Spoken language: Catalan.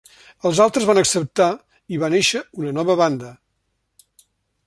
Els altres van acceptar, i va néixer una nova banda.